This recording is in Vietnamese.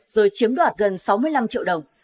rồi chiếm đoạt gần sáu mươi năm triệu đồng